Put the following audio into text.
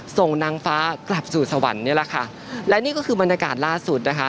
ส่งนางฟ้ากลับสู่สวรรค์นี่แหละค่ะและนี่ก็คือบรรยากาศล่าสุดนะคะ